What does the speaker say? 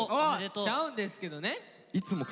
ちゃうんですけどね。